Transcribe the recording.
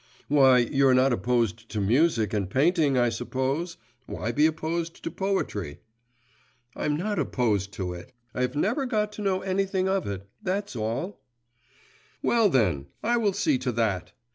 Why, you're not opposed to music and painting, I suppose; why be opposed to poetry?' 'I'm not opposed to it; I have never got to know anything of it that's all.' 'Well, then, I will see to that!